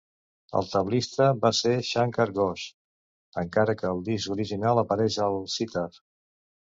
El tablista va ser Shankar Ghosh, encara que al disc s"original apareix al sitar.